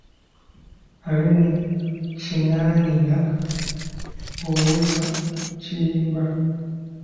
Aleni Kinaaniina, Owessaza Kiyimba.